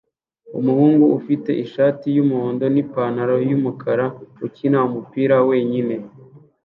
Umuhungu ufite ishati yumuhondo nipantaro yumukara ukina umupira wenyine